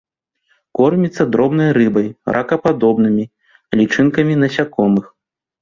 Корміцца дробнай рыбай, ракападобнымі, лічынкамі насякомых.